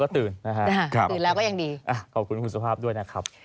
ตื่นแล้วก็ยังดี